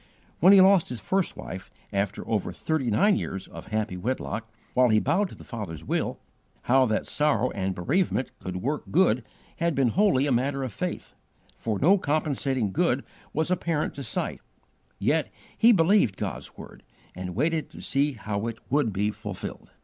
When he lost his first wife after over thirty nine years of happy wedlock, while he bowed to the Father's will, how that sorrow and bereavement could work good had been wholly a matter of faith, for no compensating good was apparent to sight; yet he believed God's word and waited to see how it would be fulfilled.